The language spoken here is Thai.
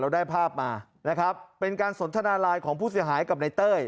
ได้ภาพมานะครับเป็นการสนทนาไลน์ของผู้เสียหายกับในเต้ย